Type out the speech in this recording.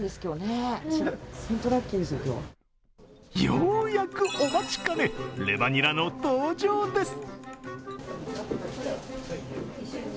ようやくお待ちかね、レバニラの登場です。